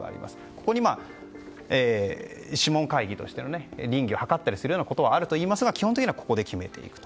ここに諮問会議として稟議を図ったりするようなことはあるといいますが、基本的にはここで決めていくと。